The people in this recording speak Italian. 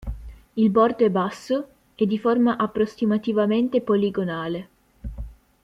Il bordo è basso e di forma approssimativamente poligonale.